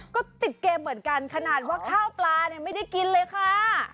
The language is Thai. ก็ติดเกมเหมือนกันขนาดว่าข้าวปลาเนี่ยไม่ได้กินเลยค่ะ